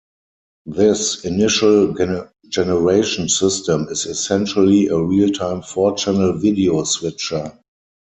This initial generation system is essentially a real-time four-channel video switcher.